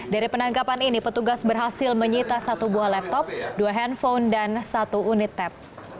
dari penangkapan ini petugas berhasil menyita satu buah laptop dua handphone dan satu unit tap